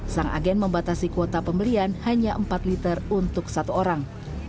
sang agen membatasi kuota pembelian hanya empat liter untuk satu orang